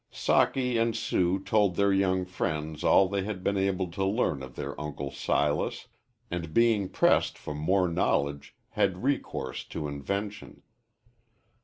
Socky and Sue told their young friends all they had been able to learn of their Uncle Silas, and, being pressed for more knowledge, had recourse to invention.